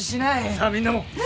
さあみんなも。